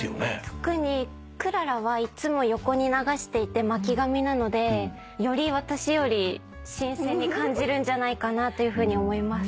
特にクララはいっつも横に流していて巻き髪なのでより私より新鮮に感じるんじゃないかなというふうに思います。